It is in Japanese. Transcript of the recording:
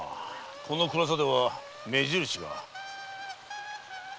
この暗さでは目印が。